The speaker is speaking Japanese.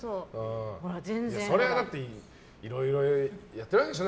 それは、いろいろやってるわけでしょ？